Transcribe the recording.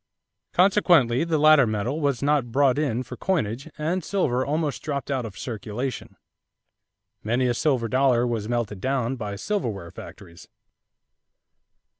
Consequently the latter metal was not brought in for coinage and silver almost dropped out of circulation. Many a silver dollar was melted down by silverware factories.